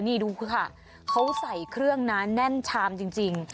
นี่ดูค่ะเขาใส่เครื่องนะแน่นชามจริง